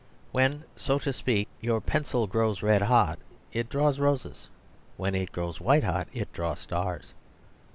When, so to speak, your pencil grows red hot, it draws roses; when it grows white hot, it draws stars.